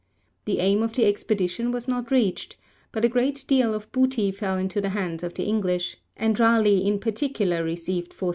The aim of the expedition was not reached, but a great deal of booty fell into the hands of the English, and Raleigh in particular received 4,000_l.